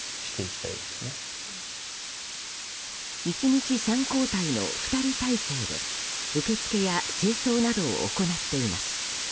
１日３交代の２人体制で受け付けや清掃などを行っています。